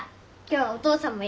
はい。